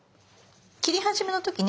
切り始めの時ね